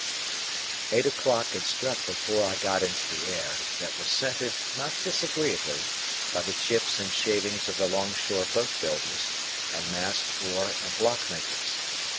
Eight o'clock had struck before I got into the air, that was scented, not disagreeably, by the chips and shavings of the long shore boat builders, and mast, oar, and block makers.